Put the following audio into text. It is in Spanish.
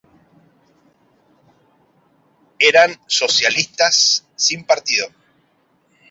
Eran socialistas sin partido.